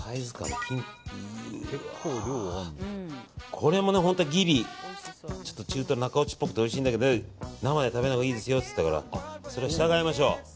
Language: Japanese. この辺も本当はギリ中トロ中落ちっぽくておいしいんだけど生で食べないほうがいいですよと言ってたので従いましょう。